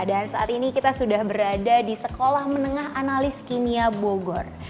dan saat ini kita sudah berada di sekolah menengah analis kimia bogor